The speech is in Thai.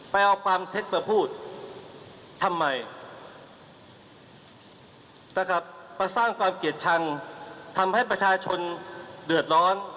เพราะสร้างความเกลียดชังทำให้ประชาชนเดือดร้อน